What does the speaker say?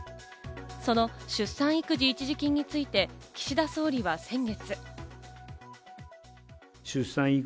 その出産育児一時金について岸田総理は先月。